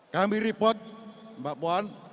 kami report mbak puan